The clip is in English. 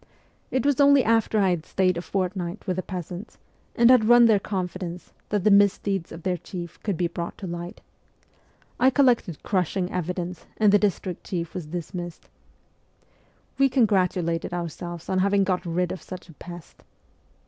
It was only after I had stayed a fortnight with the peasants, and had won their con fidence, that the misdeeds of their chief could be brought to light. I collected crushing evidence, and the district chief was dismissed. We congratulated our selves on having got rid of such a pest.